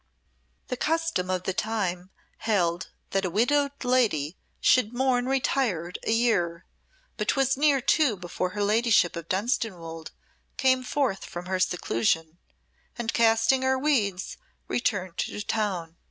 The custom of the time held that a widowed lady should mourn retired a year, but 'twas near two before her ladyship of Dunstanwolde came forth from her seclusion, and casting her weeds returned to town.